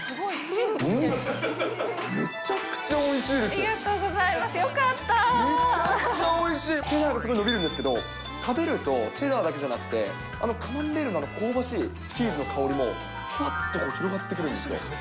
チーズがすごい伸びるんですけれども、食べると、チェダーだけじゃなくてカマンベールの香ばしいチーズの香りも、ふわっと広がってくるんですよ。